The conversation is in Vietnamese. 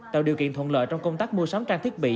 tạo điều kiện thuận lợi trong công tác mua sắm trang thiết bị